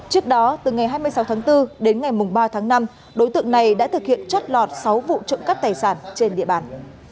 trước đó từ ngày hai mươi sáu tháng bốn đến ngày ba tháng năm đối tượng này đã thực hiện chót lọt sáu vụ trộm cắp tài sản trên địa bàn